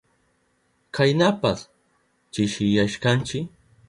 Kaynapas chishiyashkanchi.